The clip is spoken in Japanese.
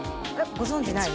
ご存じない？